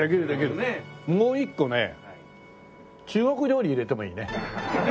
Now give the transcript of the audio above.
もう一個ね中国料理入れてもいいね。